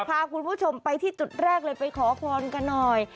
พาคุณผู้ชมไปที่จุดแรกเลยไปขอพรกันหน่อย